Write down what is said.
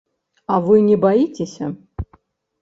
А вы не баіцеся?